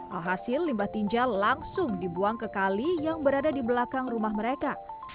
alhasil limbah tinjal langsung dibuang ke kali yang berada di belakang rumah mereka